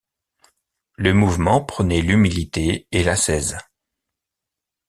Le mouvement prônait l’humilité et l’ascèse.